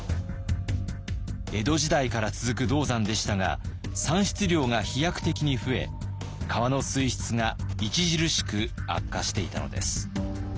江戸時代から続く銅山でしたが産出量が飛躍的に増え川の水質が著しく悪化していたのです。